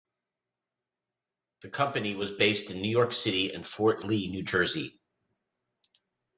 The company was based in New York City and Fort Lee, New Jersey.